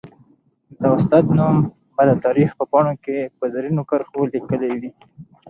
د استاد نوم به د تاریخ په پاڼو کي په زرینو کرښو ليکلی وي.